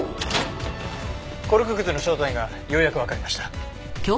コルクくずの正体がようやくわかりました。